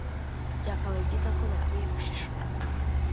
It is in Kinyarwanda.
Byakabaye byiza ko bakwiye gushishoza